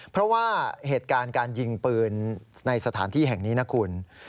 เพราะว่าเหตุการณ์การยิงปืนในสถานที่แห่งนี้นะคุณ